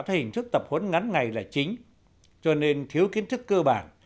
theo hình thức tập huấn ngắn ngày là chính cho nên thiếu kiến thức cơ bản